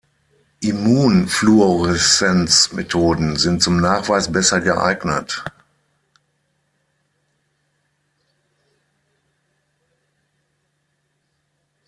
Immunfluoreszenz-Methoden sind zum Nachweis besser geeignet.